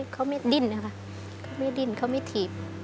เขาไม่ดิ้นเขาไม่ถีบ